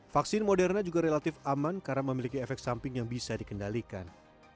vaksin moderna juga relatif aman karena memiliki efek samping yang bisa dikendalikan